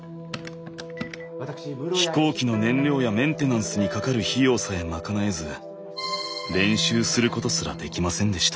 飛行機の燃料やメンテナンスにかかる費用さえ賄えず練習することすらできませんでした。